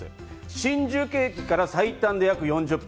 新宿駅から最短でおよそ４０分。